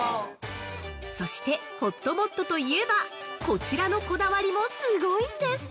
◆そして、ほっともっとといえば、こちらのこだわりもすごいんです。